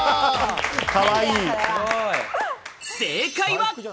正解は。